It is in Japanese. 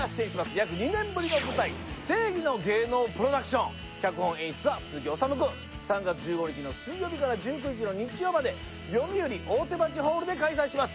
約２年ぶりの舞台「正偽の芸能プロダクション」脚本・演出は鈴木おさむくん３月１５日の水曜日から１９日の日曜までよみうり大手町ホールで開催します